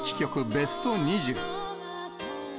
ベスト２０。